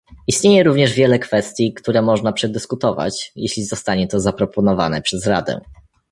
Istnieje również wiele kwestii, które można przedyskutować, jeśli zostanie to zaproponowane przez Radę